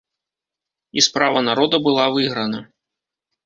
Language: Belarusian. І справа народа была выйграна.